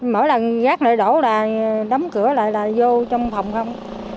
mỗi lần rác này đổ là đóng cửa lại là vô trong phòng không